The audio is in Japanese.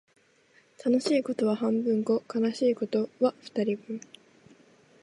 楽しいことは半分こ、悲しいことは二人分